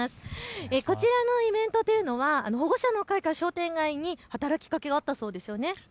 こちらのイベント保護者の会、商店街に働きかけがあったそうですね。